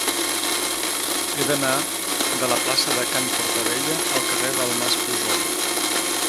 He d'anar de la plaça de Can Portabella al carrer del Mas Pujol.